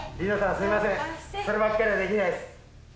すいませんそればっかりはできないっす。